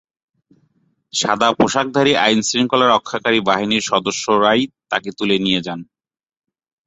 সাদাপোশাকধারী আইনশৃঙ্খলা রক্ষাকারী বাহিনীর সদস্যরাই তাঁকে তুলে নিয়ে যান ।